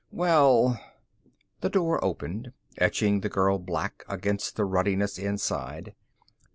"Well " The door opened, etching the girl black against the ruddiness inside.